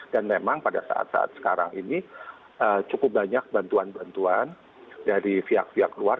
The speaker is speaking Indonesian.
dan memang pada saat saat sekarang ini cukup banyak bantuan bantuan dari pihak pihak luar